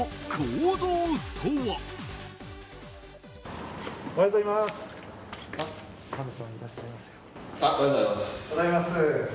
おはようございます。